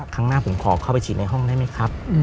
ครั้งหน้าผมขอเข้าไปฉีดในห้องได้ไหมครับ